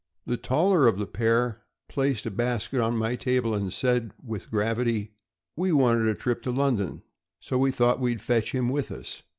The taller of the pair placed a basket on my table, and said with gravity: " We wanted a trip to London, so we thought we'd fetch him with us.